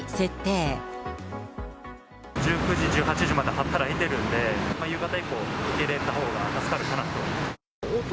ー１９じ、１８時まで働いてるんで、夕方以降、受けれたほうが助かるかなと。